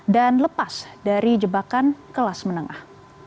dan lepas dari jebakan kelas menengah